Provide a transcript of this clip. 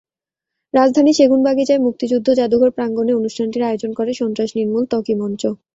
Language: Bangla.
রাজধানীর সেগুনবাগিচায় মুক্তিযুদ্ধ জাদুঘর প্রাঙ্গণে অনুষ্ঠানটির আয়োজন করে সন্ত্রাস নির্মূল ত্বকী মঞ্চ।